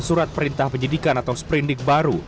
surat perintah penyidikan atau sprindik baru